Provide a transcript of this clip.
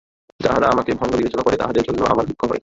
যাহারা আমাকে ভণ্ড বিবেচনা করে, তাহাদের জন্য আমার দুঃখ হয়।